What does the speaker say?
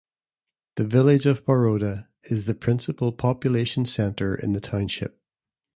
The village of Baroda is the principal population center in the township.